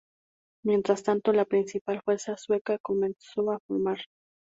Mientras tanto, la principal fuerza sueca comenzó a formar.